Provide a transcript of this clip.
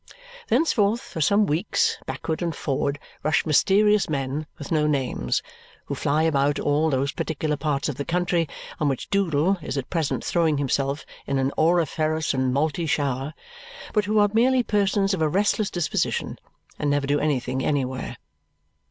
Thenceforth for some weeks backward and forward rush mysterious men with no names, who fly about all those particular parts of the country on which Doodle is at present throwing himself in an auriferous and malty shower, but who are merely persons of a restless disposition and never do anything anywhere.